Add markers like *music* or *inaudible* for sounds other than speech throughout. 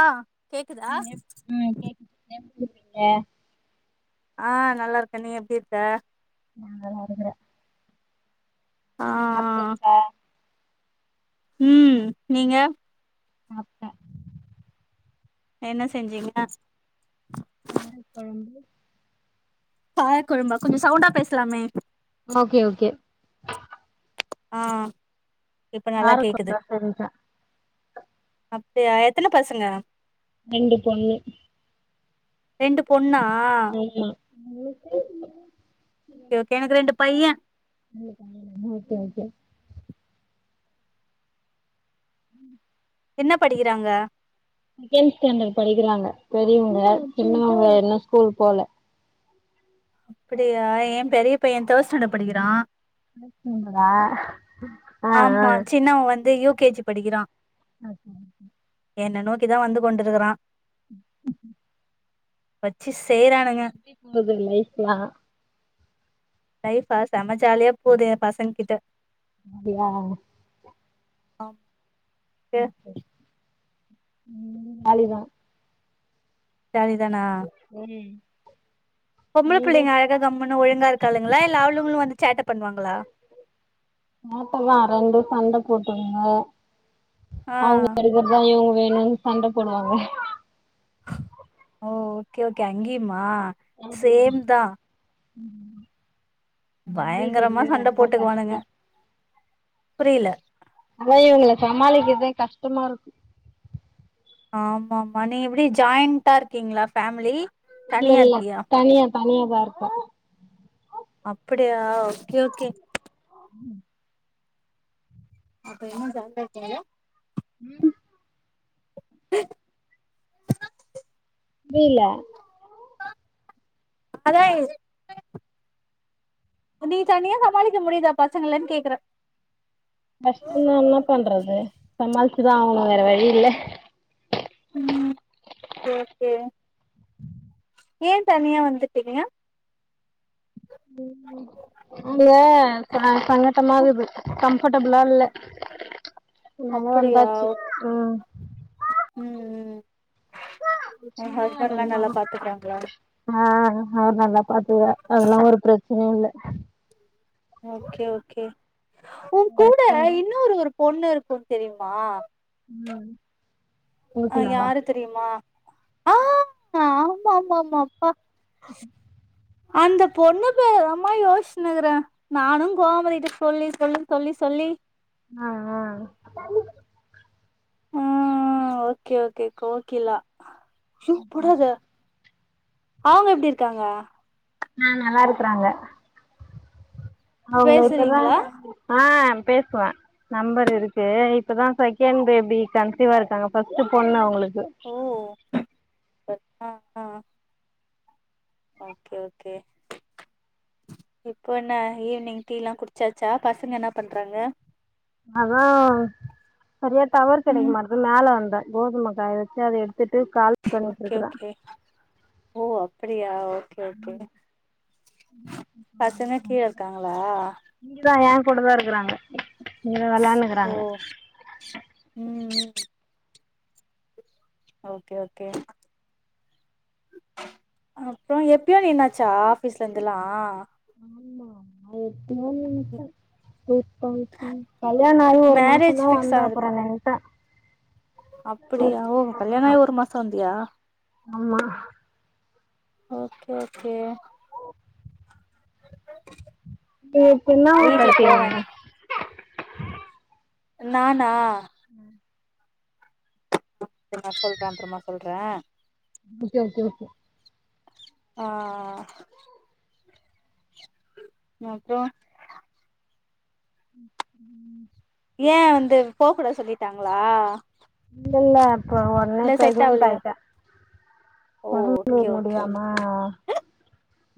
ஆ கேக்குதா ம் கேக்குது எப்டி இருக்கீங்க ஆ நல்லா இருக்கே நீ எப்டி இருக்க நா நல்லா இருக்குறே ஆ மாத்து ம் நீங்க சாப்ட்டே என்ன செஞ்சீங்க காரக் கொழம்பு காரக்கொழம்பா கொஞ்சோ சவுண்டா பேசலாமே ஓகே ஓகே ஆ இப்ப நல்லா கேக்குது அப்டியா எத்தன பசங்க ரெண்டு பொண்ணு ரெண்டு பொண்ணா ஓகே ஓகே எனக்கு ரெண்டு பையே இம்னி காணி என்ன வறுத்து வருது ம் என்ன படிக்கிறாங்க செகண்ட் ஸ்டாண்டர்ட் படிக்கிறாங்க பெரியவங்க சின்னவங்க இன்னு ஸ்கூல் போல அப்டியா ஏ பெரியபையே தேர்ட் ஸ்டாண்டர்ட் படிக்கிறா அனுப்புவீங்களா ஆமா சின்னவ வந்து யூ கே ஜி படிக்கிறா ஆ சேரி சேரி என்ன நோக்கிதா வந்து கொண்டு இருக்குறா வச்சி செய்றானுங்க எப்டி போது லைஃப்லா லைஃப் ஆ செம ஜாலியா போது ஏ பசங்க கிட்ட அப்டியா ஆம் ஓகே ம் ஜாலிதா ஜாலி தானா உம் பொம்பளை புள்ளைங்க அழக கம்முனு ஒழுங்கா இருக்காளுங்களா இல்ல அவளுங்களு வந்து சேட்ட பண்ணுவாங்களா *unintelligible* வா ரெண்டு சண்ட போட்டுக்கங்க ஆ அவ்ங்க எடுக்கறதுதா இவங்க வேணுனு சண்ட போடுவாங்க ஓ ஓகே ஓகே அங்கயுமா அமா ம் பயங்கரமா சண்டை போட்டுக்குவானுங்க புரியல அதா இவங்களை சமாளிக்கிறத கஷ்டமா இருக்கு ஆமா ஆமா நீங்க எப்டி ஜாயிண்டா இருக்கீங்களா ஃபேமிலி இல்ல தனியா இல்ல இருக்கியா தனியா தனியாதா இருக்கே அப்டியா ஓகே ஓகே ம் அப்ப இன்னு ஜாலியா இருக்கீங்கில்ல ம் *unintelligible* புரியல அத நீ தனியா சமாளிக்க முடியுதா பசங்களன்னு கேக்கறே கஷ்டம்தா என்னாப் பண்றது சமாளிச்சுதா ஆகணு வேற வழி இல்ல ம் ஓகே ஏன் தனியா வந்துட்டீங்க ம் அங்க ச சங்கட்டமா இக்குது கம்ஃபட்டபிளா இல்ல அப் அதனால அப்படியா வந்தாச்சு ம் ம் ம் உ சின்ன ஹஸ்பண்ட் எல்லா எடந்தா நல்லா பாத்துக்காங்களா ஆ அவரு நல்லா பாத்துகாறாரு அதெல்லா ஒரு பிரச்சனயு இல்ல ஓகே ஓகே உ கூட ஹஸ்பண்டு இன்னொரு ஒரு பொண்ணு இருக்கு தெரியுமா அ அ யாரு தெரியுமா ஆஹ் ஆமா ஆமா ஆமா அப்பா உஹும் அந்த பொண்ணு பேருதமா யோசினுக்கிறே நானு கோமதிட்ட சொல்லி சொல்லி சொல்லி சொல்லி ஆ ஆ ஆஹ் ஓகே ஓகே கோகிலா அய்யோ போடாத அவங்க எப்டி இருக்காங்க ஆ நல்லா இருக்கறாங்க அவங்க இப்பதா பேசுறீங்களா ஆ பேசுவே நம்பர் இருக்கு இப்பதா செகண்ட் பேபி கன்சீவா இருக்காங்க ஃபஸ்ட் பொண்ணு அவங்களுக்கு ஓ அஹ் அ அ ஓகே ஓகே இப்போ என்ன ஈவினிங் டீ எல்லா குடிச்சாச்சா பசங்க என்னாப் பண்றாங்க அதா சரியா டவர் கெடைக்க ம் மாட்டிங்குது மேல வந்தே கோதுமை காய வச்சு அத எடுத்துட்டு கால் பண்ணிட்டு ஓகே இருக்கறே ஓகே ஓ அப்டியா ஓ ஓகே ஓகே பசங்க கீழ இருக்காங்களா இங்கதா ஏ கூட தா இருக்கறாங்க இங்கதா வெளையாண்னு ஓ இருக்கிறாங்க ம் ஓகே ஓகே அப்றோ எப்பயாது ஏனாச்சா ஆபீஸ்ல இருந்துலா எப்பயோ நென்ச்சே கல்யாணோ ஆயி ஒரு மாசொ மேரேஜ் தா வந்தே அப்பறோ நின்ட்டே அப்டியா ஓ கல்யாணோ ஆயி ஒரு மாசோ வந்தியா ஆமா ஓகே ஓகே ஓ *unintelligible* ஊர்ல வீட்ல போ இருக்கியா நீ வேணா நானா ம் நா சொல்றே அப்றமா சொல்றே ஓகே ஓகே ஓகே ஆ ஆ ஆ நா போ ம் ம் ஏ வந்து போகூடாது சொல்லிட்டாங்களா இல்ல இல்ல அப்ப ஒட்னே இல்ல செட் பிரகனட் ஆவலையா ஆய்ட்டே ஓ ஒடம்புக்கு ஓகே ஓகே முடியாம ஓகே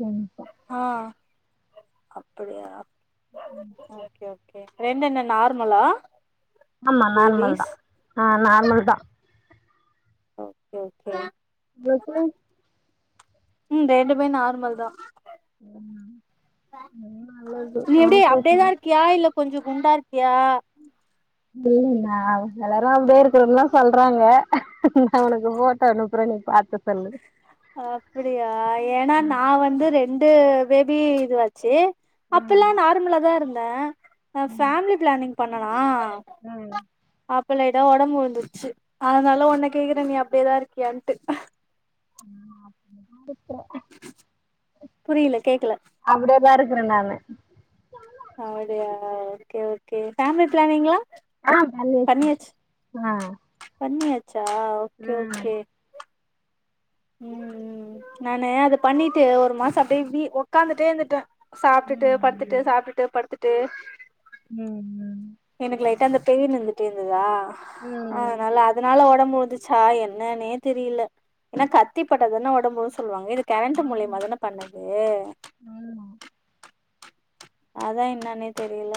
நின்டே ஆ அப்புடியா ஓகே ஓ கே ரெண்டு என்ன நார்மலா ஆமா நார்மல் பேபிஸ் தா ஆ நார்மல் தா ஓகே ஓகே எத்துலிங் ம் ரெண்டுமே நார்மல் தா ம் ம் நீ எப்டி அப்டியேதா இருக்கியா இல்ல கொஞ்சோ குண்டா இருக்கியா உம் *unintelligible* நா எல்லாரு அப்டியே இருக்கறேன்னு தா சொல்றாங்க நா உனக்கு போட்டோ அனுப்புறே நீ பாத்து சொல்லு அப்பிடியா ஏன்னா நா வந்து ரெண்டு பேபி இதுவாச்சு அப்பல்லா நார்மலா தா இருந்தே நா ஃபேமிலி பிளானிங் பண்ணனா அப் ப லைட்டா ஒடம்பு வந்துருந்துச்சு அதுனால உன்ன கேக்குறே நீ அப்டியேதா இருக்கியான்ட்டு ஆ புரியல கேக்கல அப்படியேதான் இருக்கிறேன் நானு அப்டியா ஓகே ஓகே ஃபேமிலி பிளானிங்ளா ஆ பண்ணியாச்சு ஆ பண்ணியாச்சா ஓகே ஓகே ம் ம் நானு அது பண்ணிட்டு ஒரு மாசோ அப்டியே வீ ஒக்காந்துட்டே இருந்துட்டே சாப்ட்டுட்டு படுத்துட்டு சாப்ட்டுட்டு படுத்துட்டு ம் ம் எனக்கு லைட்டா அந்த பெய்னு இருந்துட்டே இருந்ததா அது னால அதுனால ஒடம்பு வந்துச்சா என்னன்னே தெரியல ஏன்னா கத்தி பட்டாதான ஒடம்பு வரு சொல்லுவாங்க இது கரண்ட்டு மூலியமா தான பண்ணது அதா என்னான்னே தெரியல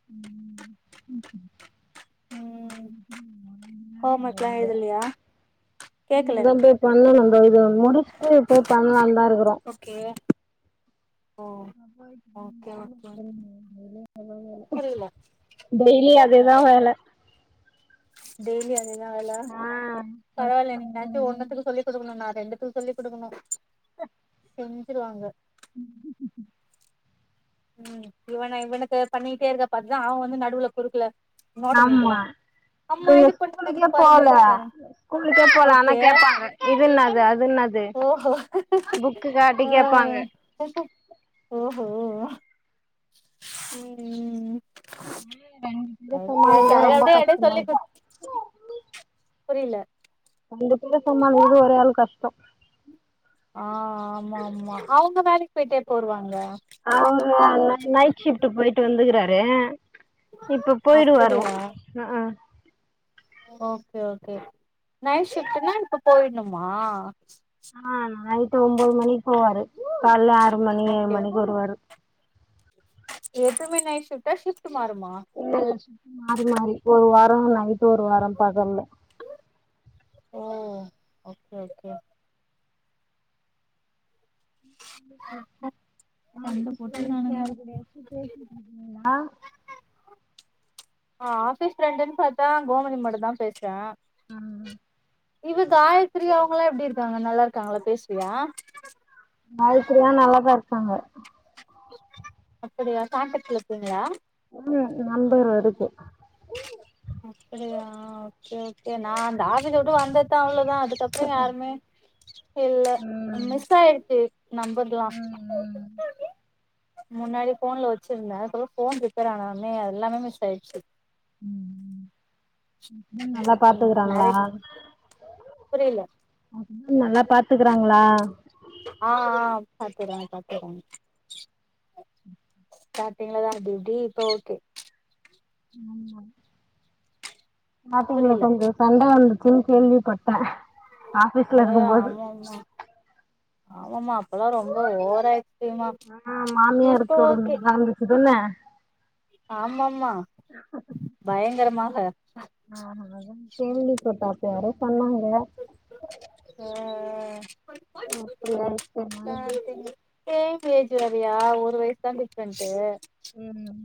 ம் *inaudible* அ இதுலையா இனிமேல்தா போய் பண்ணனு தோ இத முடிச்சுட்டு போய் பண்லான் தா இருக்றோ கே ஓகே ஓகே *unintelligible* புரில டெய்லி கேக்கல அதேதா வேல டெய்லி அதேதா வேல ஆ பரவால்ல நீங்கலாச்சு ஒன்னுத்துக்கு சொல்லி குடுக்கணு நா ரெண்டுத்துக் சொல்லிக் குடுக்கணு செஞ்சுருவாங்க ம் இவன இவனுக்கு பண்ணிட்டே இருக்க பாத்துதா அவ வந்து நடுவுல குறுக்கல நோட்ட நீட்டுவா அம்மா இவுங்க இது பண்ணுங்க இது ஸ்கூலுக்கே பாருங்க போல இது பாருங்க ஸ்கூலுக்கே போல ஆனா ஓகே கேப்பாங்க இது என்னாது அது என்னாது ஓஹோ புக்கு காட்டி ஆ கேப்பாங்க ஓஹோ ம் ம் ம் இத ஓகே ஓ சமாளிக்கதா ரொம்ப கையோட எடு கஷ்டமா சொல்லி இருக்கு குடுத் புரில ரெண்டு பேர சமாலிக்றது ஒரே ஆள் கஷ்டோ ஆ ஆமா ஆமா அவுங்க வேலைக்கு போயிட்டு எப்போ வருவாங்க அவ்ரு ந நைட் ஷிஃப்ட்டு போயிட்டு வந்துக்குறாரு இப்ப போயிறுவாரு அப்படியா அ ஆ ஓகே ஓகே நைட் ஷிஃப்ட்டுனா இப்ப போய்டுணுமா ஆ நைட்டு ஒம்போது மணிக்கு போவாரு கால்ல ஆறு மணி ஏழு ஓகே மணிக்கு வருவாரு எப்பியுமே நைட் ஷிஃப்ட்டா ஷிஃப்ட்டு மாருமா இல்ல இல்ல ஷிஃப்ட்டு மாறி மாறி ஒரு வாரோ நைட்டு ஒரு வாரோ பகல்ல ஓ ஓகே ஓகே *unintelligible* சண்ட வாய்ஸ் கலம்சியா போட்டுக்குறானுங்க இருக்குது யார் கூடயாச்சு பேசிட்டு இருக்கீங்ளா ஆ ஆஃபீஸ் ப்ரெண்டுன் பாத்தா கோமதி மட்டு தா பேசுற அ அ இவ காயத்ரி அவுங்களா எப்டி இருக்காங்க நல்லா இருக்காங்களா பேசுவியா காயத்ரியா நல்லாதா இருக்காங்க அப்படியா கான்டெக்ட்ல இருக்கிங்களா ம் நம்பரு இருக்கு அப்படியா ஓகே ஓகே நா அந்த ஆஃபீஸ்ஸ உட்டு வந்தத்தா அவ்ளோதா அதுக்கப்றோ யாருமே இல்ல மிஸ் ஆயிடுச்சு நம்பர்லா முன்னாடி ஃபோன்ல வச்சிருந்த இப்போ தா ஃபோன் ரிப்பேர் ஆன்னோனே எல்லாமே மிஸ் ஆயிச்சு ஒ ஹஸ்பண்ட் ம் நல்லா ம் பாத்துக்கறாங்களா நெறை புரியல ஒ ஹஸ்பண்ட் நல்லா பாத்துக்கறாங்களா ஆ ஆ பாத்துக்றாங்க பாத்துக்றாங்க ஸ்டார்டிங்லதா அப்டி இப்டி இப்போ ஓகே ம் ஆமா ஸ்டார்டிங்ல புரியல கொஞ்சோ சண்ட வந்துச்சுன்னு கேள்விப்பட்ட ஆ ஆஃபீஸ்ல இருக்கும்போது ஆமாம்மா அப்பலா ரொம்ப ஓவராய் ஆ மாமியார் கொடுமை எல்லா இருந்துச்சு தான ஆமாம்மா பயங்கரமாக ஆ ஆமாங்க அதா கேள்வி பட்டே அப்ப யாரோ சொன்னாங்க ஆ ஆ இப்டி ஆயிடுச்சு *unintelligible* சேம் ஏஜ் வேறயா ஒரு வயஸ் தா டிஃப்ரன்ட்டு ம் ம்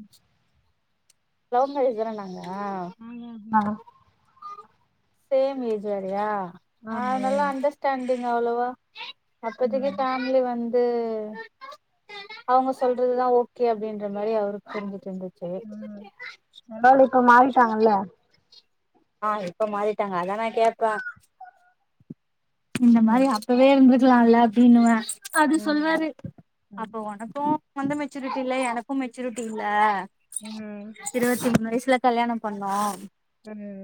லவ் மேரேஜ் தான நாங்க *inaudible* சேம் ஏஜ் வேறயா அதுனால அண்டஸ்டாண்டிங் அவ்ளவா அப்பதிக்கி ஃபேம்லி வந் து அவ்ங்க சொல்றதுதா ஓகே அப்டின்ற மாரி அவருக்கு தெருஞ்சுட்டு இருந்தது சேர் இருந்தாலு இப்ப மாறிட்டாங்கள்ள ஆ இப்ப மாறிட்டாங்க அதா நா கேப்பே இந்த மாரி அப் பவே இருந்திருக்கலால்ல அப்டின்னுவே அது சொல்வாரு அப்ப ஒனக்கு வந்து மெச்சூரிட்டி இல்ல எனக்கு மெச்சூரிட்டி இல்ல இருவத்தி மூணு வயசுல கல்யாணொ பண்ணோ சேரி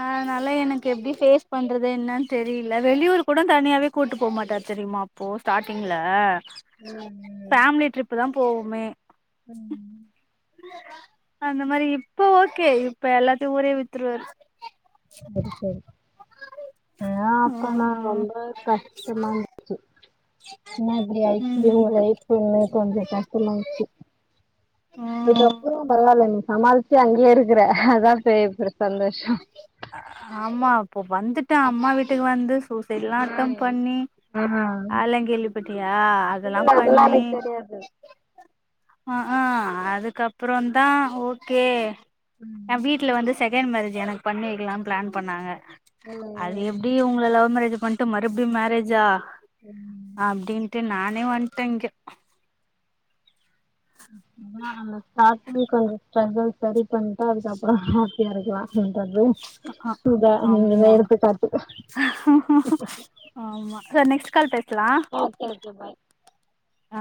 அதுனால எனக்கு எப்டி ஃபேஸ் பண்றது என்னான் தெரில வெளியூர் கூட தனியாவே கூட்டு போமாட்டாரு தெரியுமா அப்போ ஸ்டாட்டிங்ல ம் ம் ஃபேம்லி ட்ரிப்புதா போவோமே ம் அந்த மாரி இப்ப ஓகே இப்ப எல்லாத்தையு ஊரே வித்துருவாரு சரி சரி ஆ அப்ப நா ம் ரொம்ப கஷ்டமா இருந்துச்சு என்னா இப்டி ஆய்ச்சு ஏ ம் ஃலைப்புனு கொஞ்சொ கஷ்டமாயின்ச்சு ம் அதுக்கப்பரோ பரவால்ல நீ சமாளிச்சு அங்கயே இருக்கற அதாப் பெ பெரு சந்தோஷோ ஆமா அப்போ வந்துட்டா அம்மா வீட்டுக்கு வந்து சூசைட்லா அன்டன் பண்ணி அலா கேள்விபட்டியா அதல்லா இல்ல அதெல்லா பண்ணி எனக்கு தெரியாது அ ஆ அதுக்கப்பறோந் தா ஓகே எ வீட்ல வந்து செ செகேண்ட் மேரேஜ் எனக்கு பண்ணி வைக்கலான் பிளான் பண்ணாங்க ம் அது ம் எப் ப்டி உங்கள லவ்மேரேஜு பண்ணிட்டு மறுபடி மேரேஜா அப்டின் டு நானே வற்டே இங்க உம் ஸ்டாடிங்ள கொஞ்சொ ஸ்ட்ரகுள் சரி பண்ட்டு அதுக்கப்பறோ ஹாப்பியா இருக்கலா அப்டின்றது அ ஆமா ஆமா க்கா நெக்ஸ்ட் கால் பேசலா ஓகே ஓகே பாய் அ